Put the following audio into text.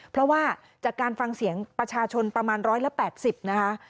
เพราะว่าจากการฟังเสียงประชาชนประมาณ๑๘๐นะคะ